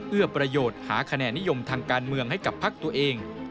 เอื้อประโยชน์หาคะแนนนิยมทางการเมืองให้กับพักตัวเอง